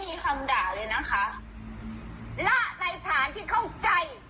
ที่ฉันโกรธอย่าพลาดคำพูดของเจ้า